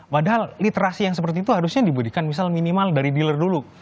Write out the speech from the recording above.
padahal literasi yang seperti itu harusnya diberikan misal minimal dari dealer dulu